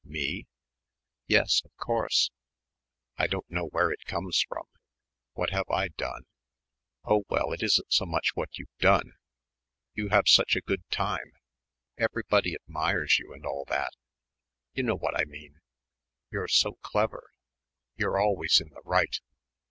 "Me?" "Yes, of course." "I don't know where it comes in. What have I done?" "Oh, well, it isn't so much what you've done you have such a good time.... Everybody admires you and all that ... you know what I mean you're so clever.... You're always in the right."